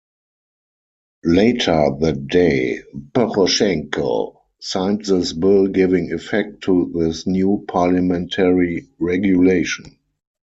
Later that day Poroshenko signed this bill giving effect to this new parliamentary regulation.